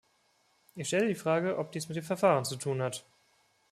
Ich stelle die Frage, ob dies mit dem Verfahren zu tun hat.